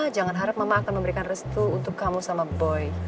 jangan harap mama akan memberikan restu untuk kamu sama boy